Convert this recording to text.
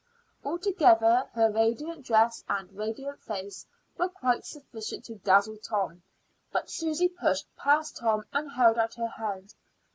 Altogether her radiant dress and radiant face were quite sufficient to dazzle Tom. But Susy pushed past Tom and held out her hand.